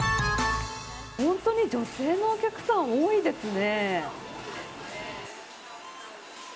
本当に女性のお客さんが多いですね。